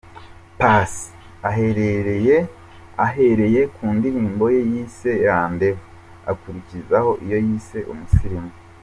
Paccy ahereye ku ndirimbo ye yise ’Rendez-Vous’ akurikizaho iyo yise ’Umusirimu’.